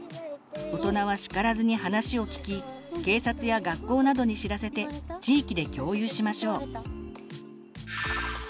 大人は叱らずに話を聞き警察や学校などに知らせて地域で共有しましょう。